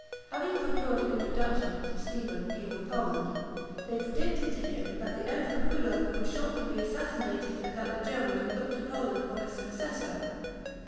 Having procured an introduction to Stephen king of Poland, they predicted to him that the Emperor Rudolph would shortly be assassinated, and that the Germans would look to Poland for his successor.